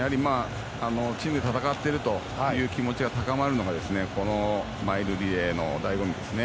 チームで戦っているという気持ちが高まるのがこのマイルリレーの醍醐味ですね。